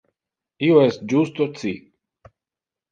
Io es justo ci.